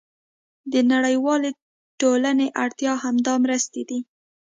د نړیوالې ټولنې اړتیا همدا مرستې دي.